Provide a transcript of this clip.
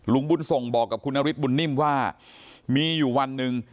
ลุงบุญส่งบอกกับคุณนฤทธบุญนิ่มว่ามีอยู่วันหนึ่ง